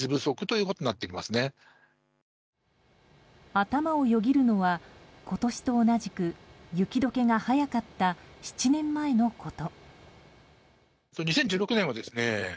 頭をよぎるのは今年と同じく雪解けが早かった７年前のこと。